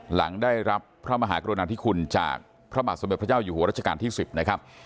หลังได้รับพระมหากรุณาธิคุณจากพระบาทสมเด็จพระเจ้าอยู่หัวรัชกาลที่๑๐นะครับ